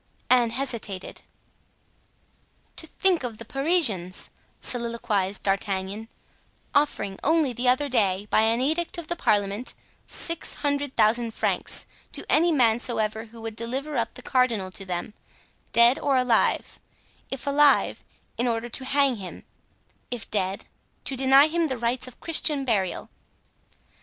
Anne hesitated. "To think of the Parisians," soliloquized D'Artagnan, "offering only the other day, by an edict of the parliament, six hundred thousand francs to any man soever who would deliver up the cardinal to them, dead or alive—if alive, in order to hang him; if dead, to deny him the rites of Christian burial!"